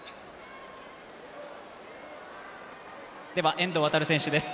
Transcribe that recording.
遠藤航選手です。